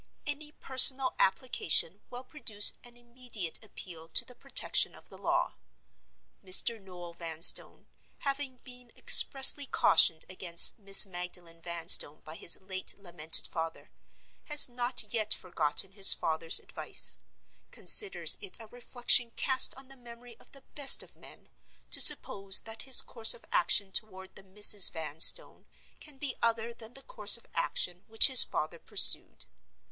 Any personal application will produce an immediate appeal to the protection of the law. Mr. Noel Vanstone, having been expressly cautioned against Miss Magdalen Vanstone by his late lamented father, has not yet forgotten his father's advice. Considers it a reflection cast on the memory of the best of men, to suppose that his course of action toward the Misses Vanstone can be other than the course of action which his father pursued.